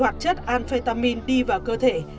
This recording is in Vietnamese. các amphetamine đi vào cơ thể